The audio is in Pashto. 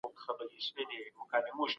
د سردرد ثبتول ډاکټر ته مرسته کوي.